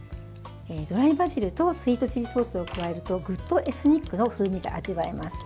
ドライバジルとスイートチリソースを加えるとぐっとエスニックの風味が味わえます。